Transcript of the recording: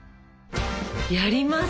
やります！